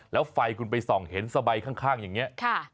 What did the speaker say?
แล้วไฟคุณไปส่องเห็นสบายข้างอย่างนี้